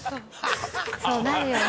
そうなるよね。